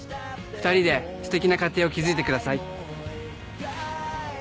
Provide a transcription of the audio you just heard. ２人ですてきな家庭を築いてください。